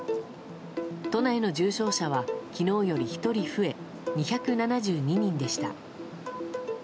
都内の重症者は昨日より１人増え２７２人でした。